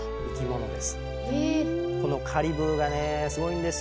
このカリブーがねすごいんですよ。